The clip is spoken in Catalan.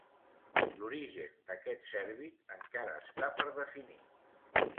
L’origen d’aquest cèrvid encara està per definir.